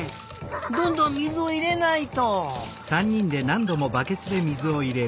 どんどん水をいれないと！